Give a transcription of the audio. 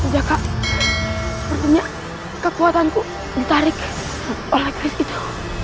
jaka sepertinya kekuatanku ditarik oleh keris itu